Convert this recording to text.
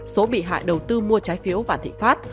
số bị hại đầu tư mua trái phiếu vạn thị pháp